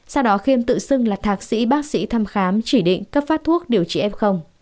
sau đó khiêm tự xưng là thạc sĩ bác sĩ thăm khám chỉ định cấp phát thuốc điều trị f